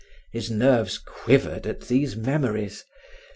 His nerves quivered at these memories.